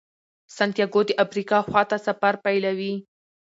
سانتیاګو د افریقا خواته سفر پیلوي.